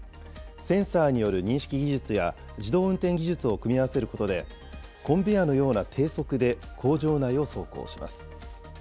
センサーによる認識技術や自動運転技術を組み合わせることで、コンベアのような低速で工場内を走行します。